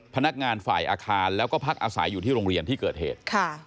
พนักงานฝ่ายอาคารแล้วก็พักอาศัยอยู่ที่โรงเรียนที่เกิดเหตุ